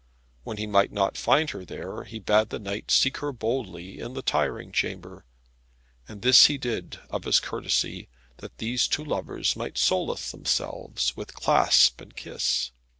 When he might not find her there he bade the knight seek her boldly in the tiring chamber; and this he did of his courtesy that these two lovers might solace themselves with clasp and kiss.